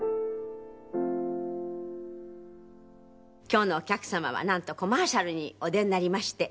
今日のお客様はなんとコマーシャルにお出になりまして。